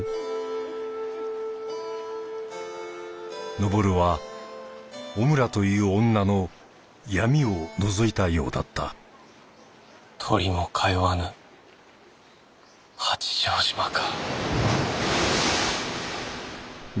登はおむらという女の闇をのぞいたようだった鳥も通わぬ八丈島か。